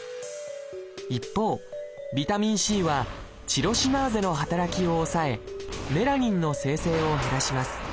一方「ビタミンＣ」はチロシナーゼの働きを抑えメラニンの生成を減らします。